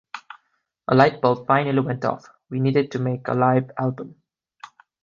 A lightbulb finally went off; we needed to make a live album.